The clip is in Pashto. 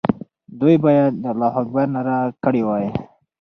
دوی باید د الله اکبر ناره کړې وای.